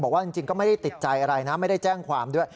บอกว่าจริงก็ไม่ได้ติดใจอะไรนะไม่ได้แจ้งความด้วย